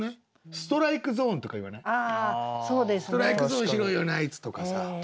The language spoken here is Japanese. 「ストライクゾーン広いよなあいつ」とかさ。